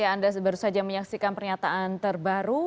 ya anda baru saja menyaksikan pernyataan terbaru